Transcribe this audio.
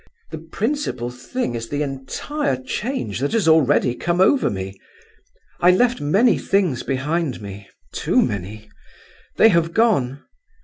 The principal thing is the entire change that has already come over me. I left many things behind me—too many. They have gone.